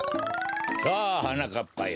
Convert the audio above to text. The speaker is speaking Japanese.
さあはなかっぱよ。